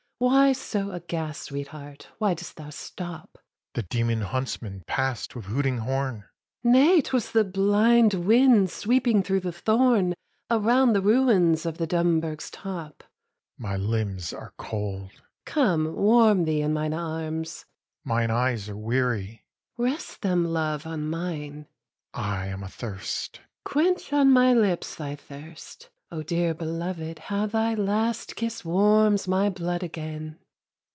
Why so aghast, sweetheart? Why dost thou stop? HE. The demon huntsman passed with hooting horn! SHE. Nay! 't was the blind wind sweeping through the thorn Around the ruins of the Dumburg's top. HE. My limbs are cold. SHE. Come! warm thee in mine arms. HE. Mine eyes are weary. SHE. Rest them, love, on mine. HE. I am athirst. SHE. Quench on my lips thy thirst. O dear belovéd, how thy last kiss warms My blood again!